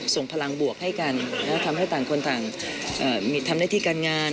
ส่งพลังบวกให้กันทำให้ต่างคนต่างทำหน้าที่การงาน